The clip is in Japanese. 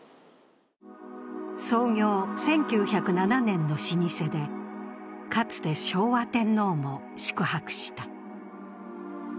創業１９０７年の老舗で、かつて昭和天皇も宿泊した。